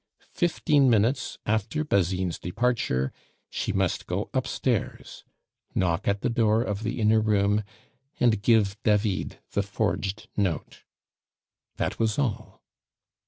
Fifteen minutes after Basine's departure she must go upstairs, knock at the door of the inner room, and give David the forged note. That was all.